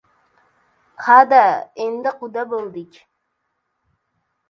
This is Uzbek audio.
— Ha-da! — Endi quda bo‘ldik